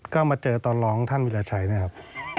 ก็มาเจอตอนร้องท่านวิราชัยนะครับ